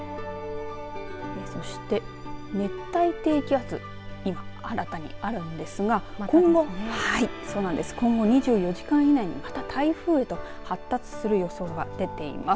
そして熱帯低気圧今、新たにあるんですが今後２４時間以内にまた台風へと発達する予想が出ています。